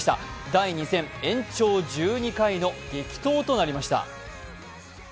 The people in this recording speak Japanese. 第２戦、延長１２回の激闘となりました。